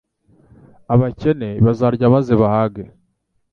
Abakene bazarya maze bahage